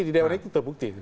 di dewan itu terbukti